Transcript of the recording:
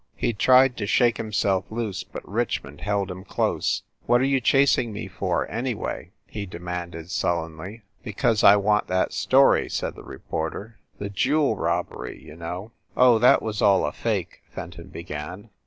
He tried to shake himself loose, but Richmond held him close. "What are you chasing me for, anyway?" he demanded sullenly. "Because I want that story," said the reporter. "The jewel robbery, you know." A HARLEM LODGING HOUSE 299 "Oh, that was all a fake," Fenton began.